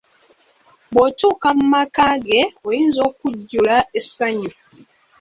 Bw’otuuka mu maka ge, oyinza okujjula essanyu.